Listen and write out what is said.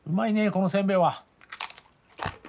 このせんべいは。